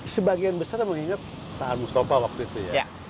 sebagian besar mengingat saan mustafa waktu itu ya